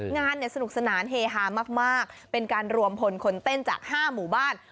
งานเนี่ยสนุกสนานเฮฮามากเป็นการรวมพลคนเต้นจาก๕หมู่บ้าน